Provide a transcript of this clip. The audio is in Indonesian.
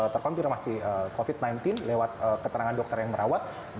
terkonfirmasi covid sembilan belas lewat keterangan dokter yang merawat